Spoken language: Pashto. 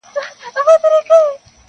په پسته ژبه دي تل يم نازولى-